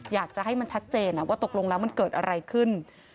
อยากจะให้มันชัดเจนว่าตกลงแล้วมันเกิดอะไรขึ้น